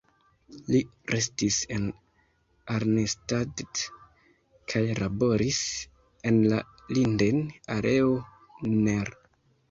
Li restis en Arnstadt kaj laboris en la Linden-aleo nr.